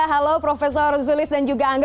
halo prof zulis dan juga angga